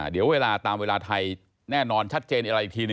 เดี๋ยวเวลาตามเวลาไทยแน่นอนชัดเจนอะไรอีกทีหนึ่ง